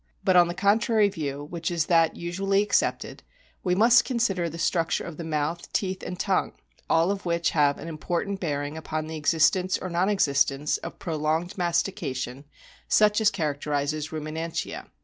But on the contrary view, which is that usually accepted, we must consider the structure of the mouth, teeth, and tongue, all of which have an important bearing upon the existence or non existence of prolonged mastication such as charac terises Ruminantia.